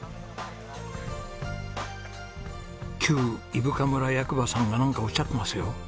旧伊深村役場さんが何かおっしゃってますよ。